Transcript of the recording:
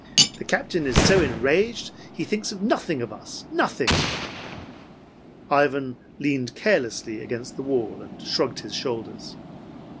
The Captain is so enraged that he thinks nothing of us, nothing!" Ivan leaned carelessly against the wall and shrugged his shoulders.